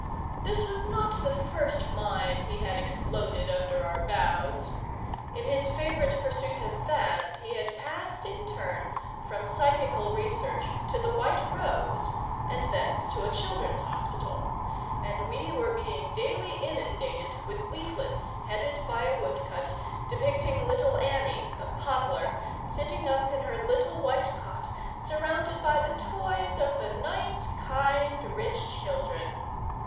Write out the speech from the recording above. This was not the first mine he had exploded under our bows. In his favourite pursuit of fads he had passed in turn from Psychical Research to the White Rose and thence to a Children's Hospital, and we were being daily inundated with leaflets headed by a woodcut depicting Little Annie (of Poplar) sitting up in her little white cot, surrounded by the toys of the nice, kind, rich children.